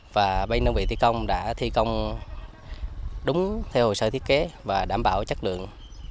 và bây nông vị thi công đã thi công đúng theo hồ sơ thiết kế và đảm bảo chất lượng